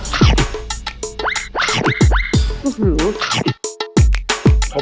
อื้อหือ